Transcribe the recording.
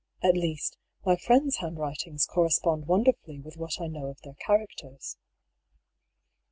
At least, my friends' handwritings correspond wonderfully with what I know of their char acters."